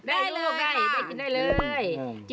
อาหาริสรรดิ